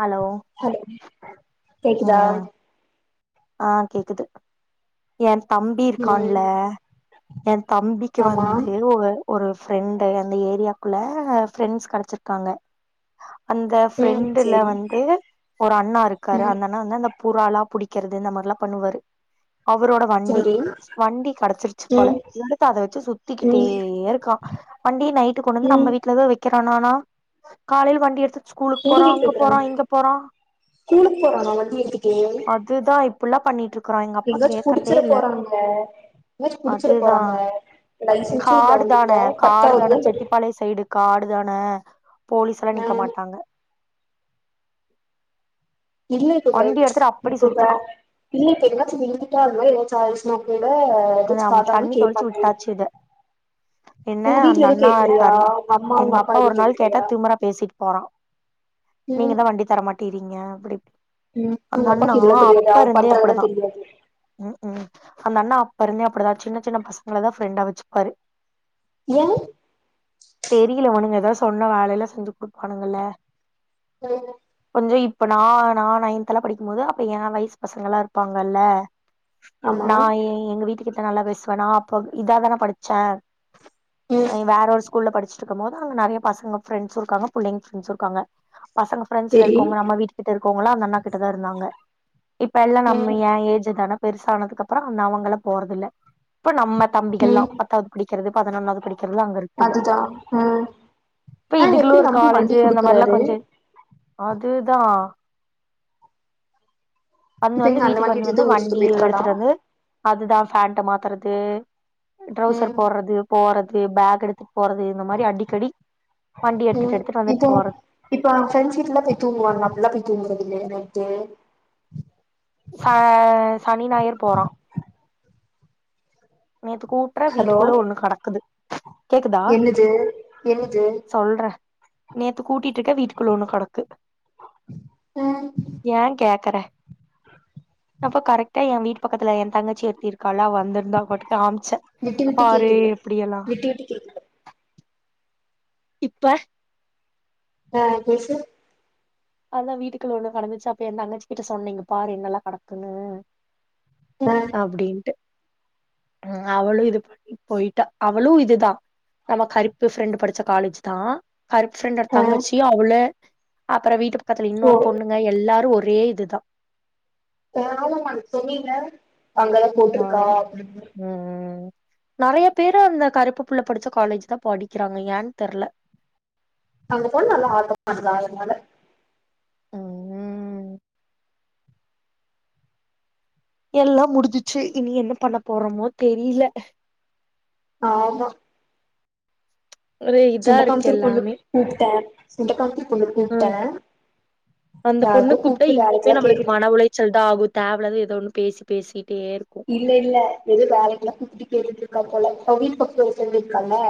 Hello hello கேக்குதா ம் ஆ கேக்குது என் தம்பி ம் இருக்கான்ல எ தம்பிக்கு ஆமா வந்து ஒ ஒரு ஃப்ரெண்டு் அந்த ஏரியாக்குள்ள ப்ரெண்ட்ஸ் கெடச்சிருக்காங்க அந்த ம் ஃப்ரெண்டுல சேரி வந்து ஒரு அண்ணா இருக்காரு ம் அந்த அண்ணா வந்தந்த பூராலா புடி க்கிறது இந்த மார்லா பண்ணுவாரு அவரோட வண்டி சரி வண்டி கெடச்சிருச்சு போல ம் எடுத்து அத வச்சு ம் ம் சுத்திக்கிட்டே இருக்கா வண்டிய நைட்டு கொண்னந்து நம்ம வீட்லதா வைக்கிற தானானா காலையில் வண்டி எடுத்து [unintelligible] ஸ்கூலுக்கு போறா அங்க போறா இங்க போறா ஸ்கூலுக் போறானா வண்டி எடுத்துட்டு அ இப்பில்லா பண்ணிட்ருக் எங்காச்சு புடுச்சிர போறாங்க எங்காச்சு புடிச்சிர அதுதா போறாங்க லைசென்ஸு இல்ல காடு தான அவங்கிட்ட பத்தாவது தா படி டுதானே போலீஸல்லா ஆ நிக்க மாட்டாங்க [inaudible] இல்ல இப்ப பை வண்டி எடுத்துட்டு அப்டி இப்ப ப சுத்துறா இல்ல இப்ப எங்காச்சு விழுந்துட்டா அந்த மாரி எதாச்சு ஆயிர்ச்சுனா [unintelligible] அதாம் தண்ணி தொளிச்சு விட்டாச்சுத என்ன உங்க அந்த வீட்ல எதுவு அண்ணா கேக்கலையா இருக்காருல உங்க அம்மா எங்க உங்க அப்பா ஒரு எதுவு நாள் கேட்டா கேக்கலையா திமிரா பேசிட்டு போறா நீங்க ம் தா வண்டி தரமாட் டிரிங்க அப்பிடி ம் உங்க அப்பாக்கு இதுல்லா தெரியாதா அவ பண்றதுலா தெரியாது அந்தண்ணாப் பருந்தே அப்புடிதா சின்ன சின்ன பசங்கள தா ஃப்ரண்டா வச்சுப்பாரு ஏ தெரியில இவனுங்க எதா சொன்ன வேலைல்லா செஞ்சு குடுப்பானுங்கல்ல ஓ [unintelligible] இப்ப நா நா‌ நைன்தெல்லா படிக்கும்மோது அப்ப ஏ வயசு பசங்கல்லா இருப்பாங்கல்ல ஆமா நா ஏ எங்க வீட் டுகிட்ட நல்லா பேசுவனா அப்ப இதாதான படுச்ச ம் அ வேற ஒரு ஸ்கூல்ல படு ச்சுட்ருக்கும்மோது அங்க நெறைய பசங்க ஃப்ரெண்ட்ஸு இருக்காங்க புள்ளைங்க ஃப்ரண்ட்ஸுருக்காங்க பசங்க ஃப்ரண்ட்ஸ்ல செரி இருக்கவுங்க நம்ம வீட்டு கிட்ட இரு இருக்கோங்களா அந்தண்ணா கிட்டதான் இருந்தாங்க இப்ப எல்லா நம்ம ம் ஏ ஏஜ் தான பெருசானதுக்கு அப்றோ நா அவங்கள போறதுல்ல இப்ப நம்ம தம்பிகளல்லா ம் பத்தாவது படிக்கிறது பதினொன்னாவது படிக்கிறது அங்க இருக்குது அதுதா ம் இப்ப ஆ எப்டி இதுக்கோளு ஒரு நம்பி காலேஜ் வண்டி அந்த மாரி எல்லாம குடுக்குறாரு கொஞ்ச அதுதான் வந்து இப்ப வந்து எங்க அந்த வீட்டுக்கு வண்டி வந்து வந்து எடுத்துட்டு ஊர் சுத்த வண்டி போயிருக்காடா எடுத்துட்டு வந்து அதுதா ஃபண்ட மாத்துறது ட்ரௌசர் ம் போடுறது போறது பேக் எடுத் வண்டி எடுத்துட்டு ம் எடுத்துட்டு வந்துட்டு இப்போ போறது இப்ப ஃப்ரெண்ட்ஸ் வீட்ல போய் தூங்குவாங்களா அப்டி எல்லா போய் தூங்குறது இல்லைய எ ச சனி ஞாயற் போறான் நேத்து கூட்டுறே ஹலோ வீட்டுக்குள்ள ஒண்ணு கிடக்குது என்னது என்னது சொல்ற நேத்து கூட்டி ட்டு இருக்கன் வீட்டுக்குள்ள ஒண்ணு கடக்குது ம் ஏன் கேக்கிற அப்போ கரெக்டா என் வீட்டு பக்கத்துல என் தங்கச்சி இருக்காலா வந்திருந்தா காமிச்சன் விட்டு விட்டு பாரு கேக்குது எப்டி எல்லா விட்டு விட்டு கேக்குது இப்ப ஆ பேசு அதான் வீட்டுக்குள்ள ஒண்ணு கடந்துச்சா அப்ப என் தங்கச்சி கிட்ட சொன்னேன் பாரு என்னெல்லாம் கடக்குன்னு ஆ அப்டின்ட்டு ம் அவளும் இது பண்ணி போயிட்டா அவளும் இதுதான் நம்ம கருப்பு ஃப்ரெண்டு் படிச்ச காலேஜ் தா கருப்பு ஃபிரிண்ட் ஒட ஆ தங்கச்சி அவுள [unintelligible] விட் பக்கத்துல ஓ இன்னொரு பொண்ணுங்க எல்லாரும் ஒரு ஒரே இதுதான் [unintelligible] சொன்னீங்க அங்கதான் போட்டுருக்க ஆம் ம் நெறைய பேரு அந்த கருப்பு புள்ள படிச்ச காலேஜ் தா படிக்கிறாங்க ஏன் தெர்ல அங்க போனா நல்ல ஆட்டம் [unintelligible] அதனால ம் எல்லா முடிஞ்சிச்சி இனி என்ன பண்ண போறோமோ தெரில ஆமா ஒரு இதா இருக்கு சுண்டக்காம்புதூர் பொண்ணுக் எல்லாமே கூப்ட்ட சுண்டக்காம்புதூர் ம் அந்த பொண்ணு யாருக்கோ கூப்ட்டா கூப்ட்டு இன்னுமே வேலைக்குலா நம்மளுக்கு கேட்டுட்டு மன உளைச்சல்தா ஆகு தேவலாத ஏதோ ஒன்னு பேசி பேசி இல்ல இல்ல ஏதோ வேலைக்குல்லா கூப்புட்டு கேட்டுட்டு இருக்கா போல அவ வீட்டு பக்கோ ஒரு ஃப்ரெண்டு இருக்கால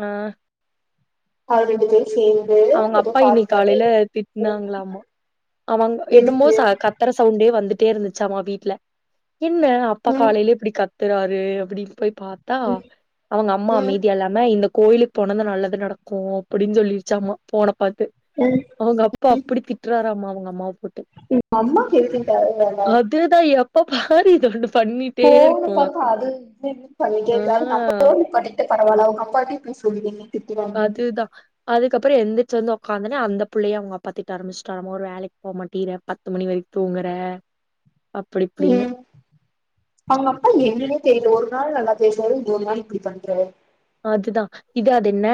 ஆ அவகிட்ட கேள் அவங்க அப்பா இனி காலைல திட்னாங்களாமா அவங்க என்னமோ எதுக்கு ச கத்தர சவுண்டே வந்துட் ட்டே இருந்துச்சாமா வீட்ல என்ன அப்பா ம் காலைலயே இப்டி கத் துராரு அப்டி இப்போய் பாத்தா ம் அவங்க அம்மா ம் அமைதியா இல்லாம இந்த கோயிலுக்கு போனதா நல்லது நடக்கு அப்டின்னு சொல்லிருச்சாமா போனப் பாத்து ம் அவங்க அப்பா அப்டி திட்றாராமா உங்கம்மாவு உங்க அம்மாக்கு எதுக்கு இந்த தேவ இல்லாத வேல அதுதா எப்ப பாரு இது ரெண்டு [unintelligible] பரவால ஆ அவங்க அப்பாட்டையு போய் சொல்லி வெய்ங்க அதுதா அதுக்கப்பறோ எந்த ச்சு வந்து உக்காந்தனே அந்த புள்ளைய அவங்க அப்பா திட்ட ஆரம்பச்சுட்டாராம ஒரு வேலைக் போமாட்டிற பத்து மணி வரைக்கு தூங்குற அப்டி ம் இப்டின்னு அவங்க அப்பா எங்கனே தெரிரதுல்ல ஒரு நாள் நல்லா பேசுறாரு இன்னொரு நாள் இப்டி பண்றாரு அதுதா இது அது என்ன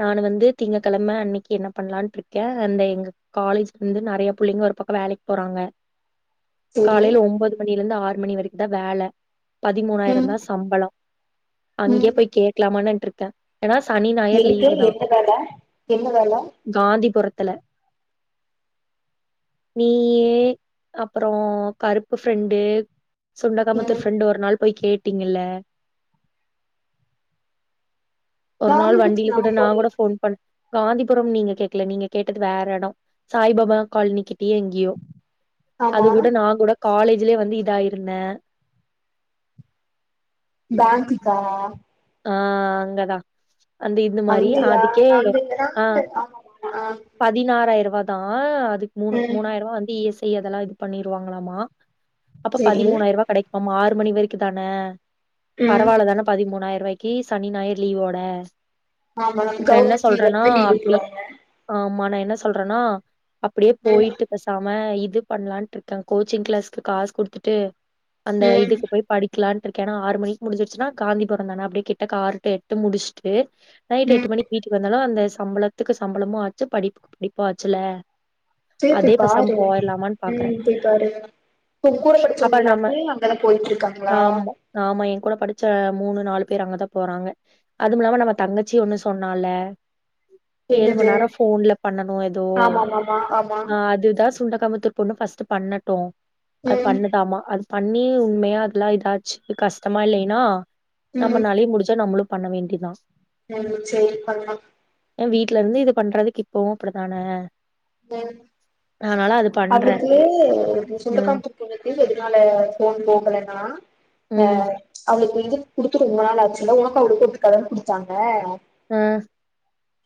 நானு வந்து திங்க்கெழம அன்னிக்கு என்ன பண்லான்ட்ருக்க அந்த எங்க காலேஜ்லிருந்து நெறைய புள்ளைங்க ஒரு பக்கோ வேலைக் போறாங்க செரி காலைல ஒம்போது மணி இன்னில இருந்து ஆறு மணி வரைக்குதா வேல ம் பதிமூணாயிரோந்தா சம்பளோ ம் அங்கே போய் ஆமா நின்ட்ருக்க எங்க எந்த வேல என்ன வேல துல நீயி அப்பறோ கருப்பு ஃப்ரெண்டு சுண்டகாமத்தூர் ம் ஃப்ரெண்டு ஒரு நாள் போய் கேட் விட்டீங்கள ஒரு நாள் கவர்மெண்ட் வண்டியில கூட நாம நா போல கூட ஃபோன் பண் காந்திபுரம் நீங்க கேக்கல. நீங்க கேட்டது வேற எடோ சாய்பாபா காலனிக்கி ட்டயோ எங்கியோ அது ஆமா கூட நாங் கூட காலேஜ்லயே வந்து இதா இருந்தே. பேங்க்குக்கா? ஆ அங்கதா. அந்த இது மாரி அங்கயா அதுக்கே நாங்க ஆ நாங்க ஆமாமா ஆ பதினாறாயர்ருவா தா அதுக் மூணு ம் மூணாயர்ரூவா வந்து இ எஸ் ஐ அதெல்லா இது பண்ணிருவாங்களாமா. அப்ப செரி பதிமூணாயர்ரூவா கெடைக்குமாமா ஆறு மணி வரைக்குதானே ம் பரவால்லதான பதிமூ ன்றுவாய்க்கி சனி ஞாயர் லீவோட ஆமா நா என்ன கவர்மெண்ட் லீவு சொல்றேன்னா அப்பயு லீவ் அப்டி விட்ருவாங்க ஆமா நா என்ன சொல்றனா அப்டியே ம் போயிட்டு பேசாம இ து பண்லான்ட்ருக்கே கோச்சிங் கிளாஸ்க்கு காஸ் குடுத்துட்டு அந்த ம் இதுக்கு போய் படிக்கலான் ருக்கே ஏன்னா ஆறு மணிக்கு முடிஞ்சிருச்சுனா காந்திபுர ந்தான அப்டியே கிட்டக்க ஆறு டு எட்டு முடிச்சுட்டு நைட் ம் எட்டு மணிக்கு வீட்டுக்கு வந்தாலு அந்த சம்பளத்துக்கு சம்பளமு ஆச்சு படிப்புக்கு படிப்பு ஆச்சல்ல. சரி போய் பாரு பாக்குறே உம் போய் பாரு உன் கூட அப்ப படிச்சவங்க நம்ம எல்லாருமே அங்கல்லா போயிட்ருக்காங்களா? ஆமா ஆமா என் கூட படிச்ச மூணு நாலு பேர் அங்கதா போறாங்க. அதுமில்லாம நம்ம தங்கச்சி ஒண்ணு சொன்னால்ல ஏழு மணி என்னது நேரோ ஃபோன்ல பண்ணனு ஏதோ ஆமாமாமா ஆமா ஆ அதுதா சுண்ட க்காமுத்தூர் பொண்ணு ஃபர்ஸ்ட்டு பண்ணட்டு. அது ம் பண்ணுதாமா அது பண்ணி உண்மையா அதல்லா இதாச்சு கஷ்டமா இல்லைன்னா ம் நம்மனாலயு முடிஞ்சா நம்மளு பண்ண வேண்டியதா. ம் சரி பண்லா. ஏ வீட்ல இருந்து இது பண்றதுக்கு இப்பவு அப்டிதான? ம் பண்றேன். அவுளுக்கு அந்த ம். சுண்டக்காமுத்தூர் பொண்ணுக்கு அதனால போன் போகலன்னா ம். ஆ [unintelligible] இது குடுத்து ரொம்ப நாள் ஆச்சுல உனக்கு அவளுக்கு எப்டி கடன் குடுத்தாங்க ஆ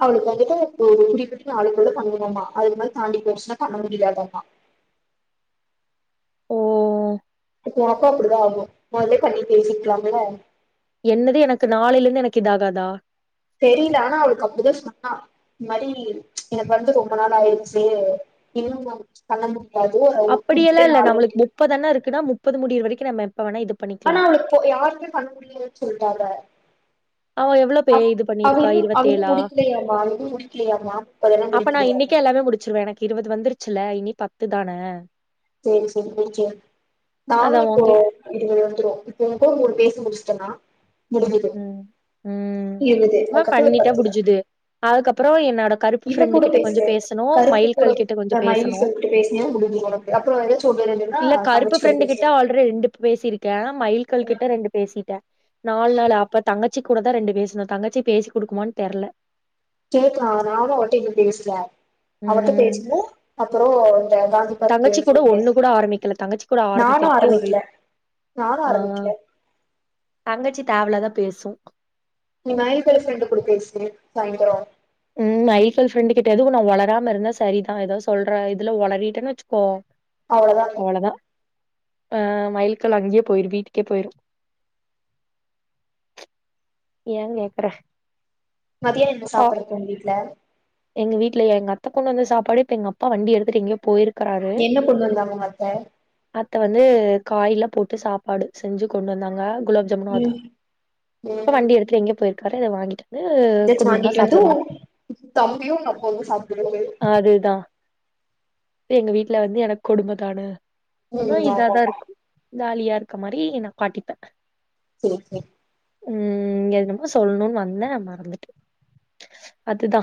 அவளுக் வந்துட்டு [inaudible] குறிப்பிட்ட நாளுக்குள்ள பண்ணனுமா அதுக்கு மேல் தாண்டி போச்சுனா பண்ண முடியாதாமா ஓ இப்ப ஒனக்கு அப்பிடிதா ஆகு மொதலே பண்ணி பேசிர்க்லாமுல்ல என்னது எனக்கு நாளைலெந்து எனக்கிதாகாதா தெரில ஆனா அவளுக்கு அப்டிதா சொன்னா இந் மாரி எனக்கு வந்து ரொம்ப நாள் ஆயிர்ச்சு இன்னும் [unintelligible] அப்படியல்லா இல்ல நம்மளுக் முப்பதண்ணா இருக்குன்னா முப்பது முடியிற வரை கிற மேம் ஆனா அவளுக் போ யாருமே பண்ண [unintelligible] சொல்டாங்க அவ எவ்ளோ பே இது பண்ணிருக்கா அவ இன்னு இருவத்தேழா முடிக்கலையாமா அவ இன்னு முடிக்கலையாமா முப்பதெல்லா அப்ப நா முடிக்கலையாமா இன்னைக்கே எல்லாமே முடுச்சிருவே எனக்கு இருவது வந்துருச்சு எல்ல இனி பத்து தான சேர் சேரி [unintelligible] நானு அதான் இப்போ உங்க [unintelligible] வந்துரு இப்ப [unintelligible] பேசி முடிச்டனா முடுஞ்சுது ம். ம். இருவதே அதுக்கப்பறொ பத்து ப்றோ என்னா த கருப்பு இவ ஃப்ரெண்டு கூட கிட்ட கொஞ்ச பேசுனே பேசணு கருப்பு கூட மயில்கல் கிட்ட கொஞ்ச மயிலு பேசணு சொல்லிட்டு பேசினியா முடிஞ்சுது உனக்கு அப்புறோ ஏதாச்சு ஒன்னு ரெண்டுன்னா இல்ல கருப்பு தங்கச்சி கூட ஃப்ரெண்டு கிட்ட பேசு ஆல்ரெ ரெண்டு பேசிருக்கே மயில்கல் ஆ கிட்ட ரெண்டு பேசிட்டே நா நால்நாள் அப்ப தங்கச்சி கூடதா ரெண்டு பேசுனொ தங்கச்சி பேசிக்குடுக்குமான் தெர்ல கேக்றா நானு அவன்ட்ட இன்னு பேசல அவட்ட ம். பேசனு அப்றோ தங்கச்சி கூட ஒண்ணு கூட ஆரம்மிக்கல தங்கச்சி கூட நானு ஆரம்மிக்கிறக்கே ஒரு இ ஆரம்பிக்கல நானு ஆ ஆ ஆரம்பிக்கல தங்கச்சி தேவலாதா பேசு நீ மயில்கல் ஃப்ரெண்டு கூட பேசு சாய்ந்தரொ ம் மயில்கல் ஃப்ரெண்டு கிட்ட எதுவு நா ஒளராம இருந்தா சரிதா எதா சொல்ற இதுல ஒளறிட்டன் வச்சுக்கோ அவ்ளொதா ஆ மயில்கல் அங்யே போயிரு வீட்டுக்கே போயிரு ஏங் கேக்குற மதியான என்ன ஆ சாப்புட்றக்கு உங்க வீட்ல எங்க வீட்லயா எங்க அத்த கொண்னந்த சாப்பாடே இப்ப எங்க அப்பா வண்டி எடுத்துட்டு எங்கயோ போயிருக் கறாரு என்ன கொண்டு வந்தாங்க உங்க அத்த அத்த வந்து காயலாம் போட்டு சாப்பாடு செஞ்சு கொண்டு வந்தாங்க குலோப்ஜாமுனு அதுவு ம் இப்ப ம் வண்டி எடுத்துட்டு எங்கயோ போயிர் கடைல வாங்கிட்ட ந்து குடும்பமா சாப்புடுவாங் பியு உங்கப்பாவு [unintelligible] தெ எங்க வீட்ல வந்து எனக் கொடும தான னா ம் இதாதா ஆமாமா இருக்கு ஜாலியா இருக்க மாரி நா காட்டிப்பே சேர் சே ம் என்னமோ சொல்னுன் வந்தே மறந்துட்டே அதுதா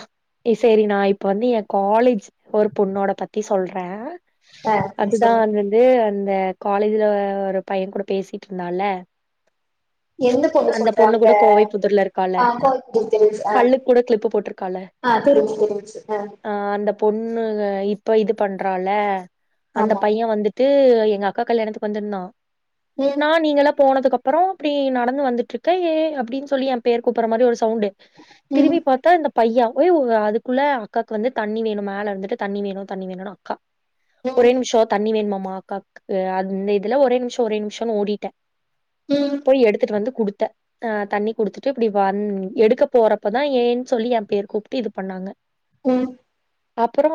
சேரி நா இப்ப வந்து ஏ காலேஜ் ஒரு பொண்ணோட பத் தி சொல்றே ஆ நீ அதுதா சொல்லு அன்வந்து அந்த காலேஜுல ஒரு பைய கூட பேசிட்ருந்தால்ல அந்த பொண்ணு கூட கோவை புத்தூர்ல இருக்கால்ல ஆ கோயம்புத்தூர் தெரிஞ்சு ஆ பல்லுக் கூட க்ளிப்பு போட்ருக்கால்ல ஆ தெரிஞ்சு தெரிஞ்சு ஆ அந்த பொண்ணு இப் இப்ப இது பண்றால அந்த ஆமா பைய வந்துட்டு எங்க அக்கா கல்யாணத்துக்கு வந்துருந்தா ம் நா நீங்களா போனதுக்கப் அப்பரோ இப்டி நடந்து வந்துட்ருக்க ஏ அப்டின்னு சொல்லி எ பேர் கூப்புற மாரி ஒரு ஸ் சவுண்டு ம் திரும்பி பாத்தா இந்த பையா ஒய் உங்க அதுக்குள்ள அக்காக்கு வந்து தண்ணி வேணும்மா மேல இருந்துட்டு தண்ணி வேணு தண்ணி வேணுனா அக்கா ஒரே ம் நிம்ஷோ தண்ணி வேணுமாம் மா கார்க்கு அ இந்த இதெலாம் ஒரே நிமிஷம் ஒரே நிமிஷம் ஓடிட்டேன் ம் போய் எடுத்துட்டு வந்து குடுத் த ஆ தண்ணி குடுத்துட்டு இப்டி வந் எடுக்க போறப்பதா ஏன் சொல்லி எம் பேர் கூப்ட்டு இது பண்ணாங்க ம் அப்பறோ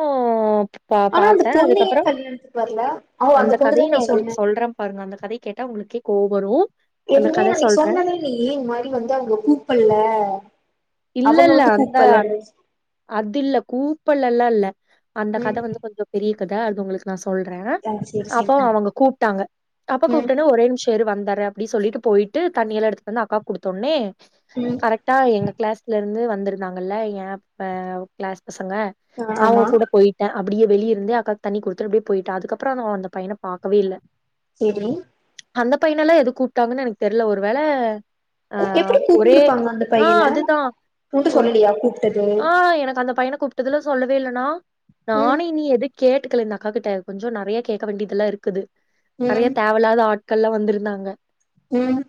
பா ஆனா அந்த பாத்த பொண்ணு ஏ அதுக்கப்பறோ கல்யாணத்துக்கு வரல ஓ அந்த பொண்ணுதா கதய் நா நீ உங்களுக்கு சொன்ன சொல்ற பாருங்க அந்த கதை கேட்டா உங்களுக்கே கோவ் வரு அந்த எதுமே கத அன்னைக்கு சொல்றே சொன்னதில்லயே இந்த மாதிரி வந்து அவங்க கூப்பல இல்ல அவங்க இல்ல வந்து அந்த கூப்பலனு அது இல்ல கூப்பள் எல்லாம் இல்ல அந்த கத ம் வந்து கொஞ்ச பெரிய குதா அது உங்களுக்கு நாஸ் சொல்ற ஆ சேரி சேரி அப்ப ஆ அவுங்க கூப்ட்டாங்க அப்ப ம் கூப்ட்டோனே ஒரே நிம்ஷோ இரு வந்தர் ட்றயா அப்புடி சொல்லிட்டு போயிட்டு தண்ணியெல்லா எடுத்துட்டு வந்து அக்கா குடுத்தொன்னே ம் கரெக்டா எங்க கிளாஸ்ல இருந்து வந்துருந்தாங்கல்ல ஏ ப்ப கிளாஸ் பசங்க ஆ அவுங்க ஆமா கூட போயிட்ட அப்படியே வெளிய இருந்து அக்காக்கு தண்ணி குடுத்துட்டு அப்படியே போயிட்ட அதுக்கப்பறோ நா அந்த பையன பாக்கவேல்ல செரி அந்த பையனல்லா எது கூப்ட்டாங்கன்னு எனக்கு தெரில ஒரு வேல எப்படி கூப்ட்டுருப்பாங்க அந்த பையன அதுதா உன்ட ஒரு சொல்லுலியா கூப்புட்டுட்டு ஆ எனக்கு அந்த பையன கூப்ட்டதுல சொல்லவேல்லனா ம் நானே நீ எதுக் கேட்டுக்கல இந்த அக்கா கிட்ட கொஞ்சோ நறைய கேட்க வேண்டிதெல்லா இருக்குது நறைய ம் தேவயில்லாத ஆட் கெல்லா வந்துருந்தாங்க ம்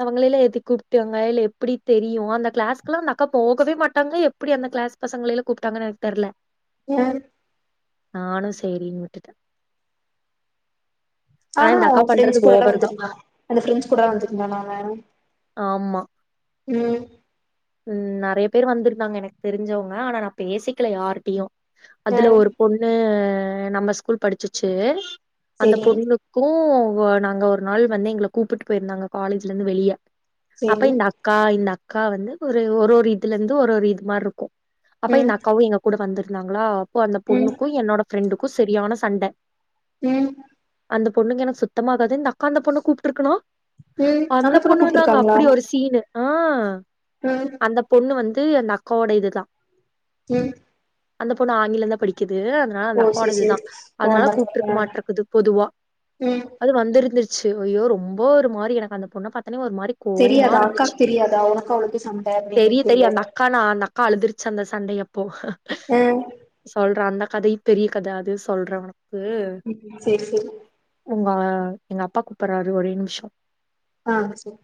அவங்கள எல்லா எதுக்கூப்டாங்க இல்ல எப்டி தெரியு அந்த கிளாஸ்க்கெல்லா அந்த அக்கா போகவே மாட்டாங்க எப் எப்படி அந்த கிளாஸ் பசங்களைலா கூப்ட்டாங்கனு எனக்கு தெர்ல அ நானு சேரின் விட்டுட்ட ஆனா அவ ஃப்ரெண்ட்ஸ் கூடல்ல வந்திருந்தா அந்த ஃப்ரெண்ட்ஸ் கூடதா வந்திருந்தானா அவ? ஆமா ம் ம் நெறைய பேர் வந்திருந்தாங்க எனக் தெரிஞ்சவங்க ஆனா நா பேசிக்கல யார்ட்டயு. ஆ அதுல ஒரு பொண்ணு ஆ நம்ம ஸ்கூல் படிச்சிச்சு. அந்த சேரி பொண்ணுக்கு ஒ நாங்க ஒரு நாள் வந்து எங்கள கூப்புட்டு போயிருந்தாங்க காலேஜ்லிருந்து வெளிய. அப்ப சேரி இந்த அக்கா இந்த அக் கா வந்து ஒரு ஒரு ஒரு இதுல இருந்து ஒரு ஒரு இது மாரி இருக் அப்ப இந்த ம் அக்காவு எங்க கூட வந்துரு ந்தாங்களா க்கு அந்த ம் பொண்ணுக்கு என்னோட ஃப்ரெண்டு க்கு செரியான சண்ட ம் அந்த பொண்ணுக்கு எனக்கு சுத்தமா ஆகாது இந்த அக்கா அந்த பொண்ண கூப்ட்ருக்குனா ம் அந்த பொண்ண பொண்ணு வந்து அங்க கூப்ட்ருக்காங்களா அப்டி ஒரு சீனு. ஆ ம் அந்த பொண்ணு வந் து அந்த அக்காவோட இது தா ம் அந்த பொண்ணு ஆங்கிலந்தா படிக்கி து அதனால அந்த ஓ சேரி அக்காவோடதுதா சேரி ஓ அதனால அந்த அக்கா கூப்ட்டுருக்குமாட்றக்குது பொதுவா ம் அது வந்திருந்து ச்சு ஐயோ ரொம்ப ஒரு மாரி எனக்கு அந்த பொண்ண பாத் தெரியாதா அக்காக்கு தெரியாதா உனக்கு அவுளுக்கு சண்ட அப்டின்னு தெரியாதா? கா அழுதுருச்சு அந்த சண்டையப்போ ஆ சொல்ற அந்த கதை பெரிய கத அது சொல்ற உன ம் செரி செரி. உங்க எங்க அப்பா கூப்பட்றாரு ஒரே நிமிஷோ. ஆ செரி.